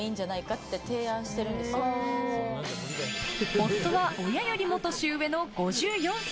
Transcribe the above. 夫は親よりも年上の５４歳。